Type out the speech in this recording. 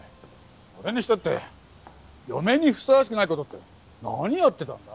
それにしたって嫁にふさわしくない事って何やってたんだ？